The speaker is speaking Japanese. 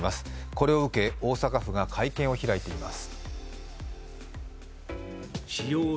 これを受け、大阪府が会見を開いています。